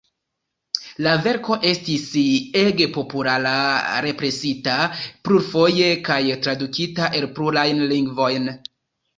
La verko estis ege populara--represita plurfoje kaj tradukita en plurajn lingvojn.